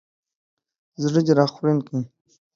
وش ﺯړه د راکي خوړين که